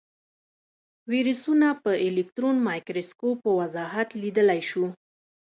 ویروسونه په الکترون مایکروسکوپ په وضاحت لیدلی شو.